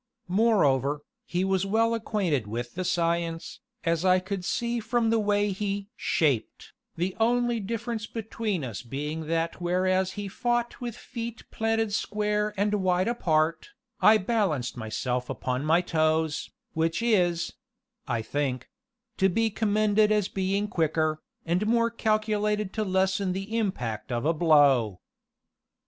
Moreover, he was well acquainted with the science, as I could see from the way he "shaped," the only difference between us being that whereas he fought with feet planted square and wide apart, I balanced myself upon my toes, which is (I think) to be commended as being quicker, and more calculated to lessen the impact of a blow.